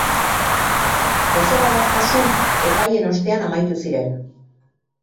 Dozena bat kasu epaien ostean amaitu ziren.